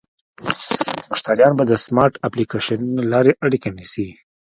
مشتریان به د سمارټ اپلیکیشنونو له لارې اړیکه نیسي.